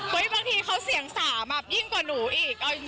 เว้ยบางทีเขาเสี่ยงสามอ่ะยิ่งกว่าหนูอีกเอาจริง